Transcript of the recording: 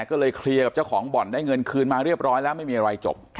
ก็เลยเคลียร์กับเจ้าของบ่อนได้เงินคืนมาเรียบร้อยแล้วไม่มีอะไรจบ